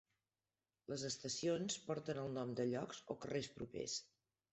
Les estacions porten el nom de llocs o carrers propers.